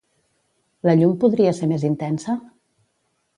La llum podria ser més intensa?